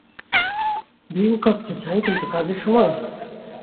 Drink করতে চাই, কিন্তু কাজের সময়?